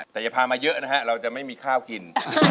แต่อย่าพามาเยอะนะฮะเราจะไม่มีข้าวกิน